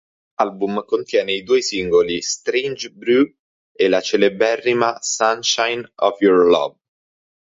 L'album contiene i due singoli "Strange Brew" e la celeberrima "Sunshine of Your Love".